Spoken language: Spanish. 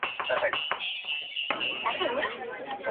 Había caza de perdices y liebres y pesca de barbos y anguilas.